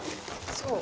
そう。